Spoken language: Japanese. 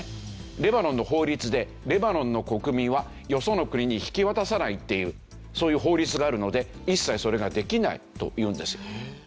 レバノンの法律でレバノンの国民はよその国に引き渡さないっていうそういう法律があるので一切それができないというんですよ。